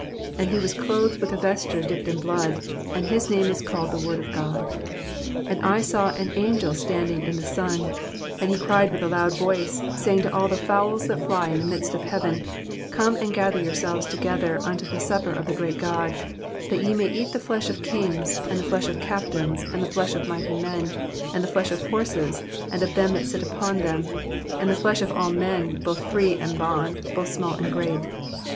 And he was clothed with a vesture dipped in blood ; and his name is called The Word of God. .... And I saw an angel standing in the sun ; and he cried with a loud voice, saying to all the fowls that fly in the midst of heaven, come and gather yourselves together unto the supper of the great God ; that ye may eat the flesh of kings, and the flesh of captains, and the flesh of mighty men, and the flesh of horses, and of them that sit on them, and the flesh of all men, both free and bond, both small and great.